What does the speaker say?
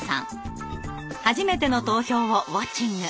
初めての投票をウォッチング。